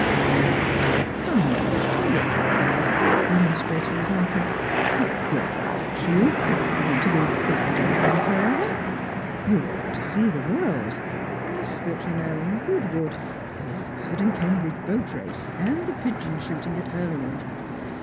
" 0, but, come now, really, you know," remonstrated the Vis count, " a girl like you can't mean to be buried alive for ever. "Sou ought to see the world — Ascot, you know, and Goodwood, and the Oxford and Cambridge boat race, and the pigeon shoot ing at Hurlingham.